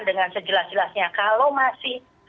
dengan sejelas jelasnya kalau masih